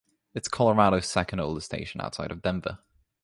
It is Colorado's second-oldest station outside of Denver.